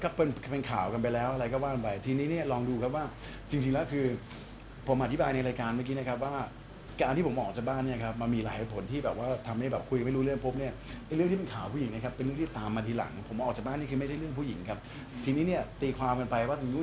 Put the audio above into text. ก็เป็นเป็นข่าวกันไปแล้วอะไรก็ว่ากันไปทีนี้เนี่ยลองดูครับว่าจริงจริงแล้วคือผมอธิบายในรายการเมื่อกี้นะครับว่าการที่ผมออกจากบ้านเนี่ยครับมันมีหลายผลที่แบบว่าทำให้แบบคุยไม่รู้เรื่องปุ๊บเนี่ยไอ้เรื่องที่เป็นข่าวผู้หญิงนะครับเป็นเรื่องที่ตามมาทีหลังผมออกจากบ้านนี่คือไม่ใช่เรื่องผู้หญิงครับทีนี้เนี่ยตีความกันไปว่าถึงรู้